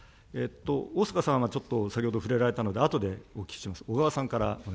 逢坂さんはちょっと、先ほど触れられたので、あとでお聞きします。